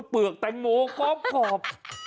เปลือกแตงโมกรอบ